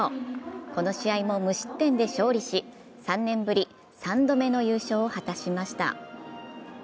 この試合も無失点で勝利し３年ぶり３度目の優勝を果たしました。